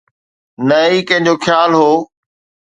نه ئي ڪنهن جو خيال هو